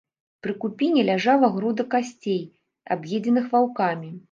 Пры купіне ляжала груда касцей, аб'едзеных ваўкамі.